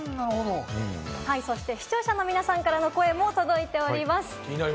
そして視聴者の皆さんからの声も届いております。